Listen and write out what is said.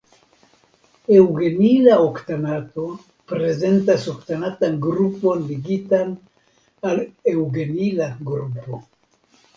Eŭgenila oktanato prezentas oktanatan grupon ligitan al eŭgenila grupo.